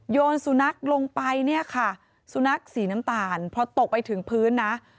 สุนัขลงไปเนี่ยค่ะสุนัขสีน้ำตาลพอตกไปถึงพื้นนะ